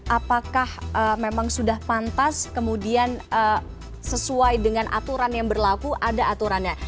apakah memang sudah pantas kemudian sesuai dengan aturan yang berlaku ada aturannya